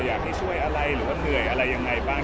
อยากให้ช่วยอะไรหรือว่าเหนื่อยอะไรยังไงบ้าง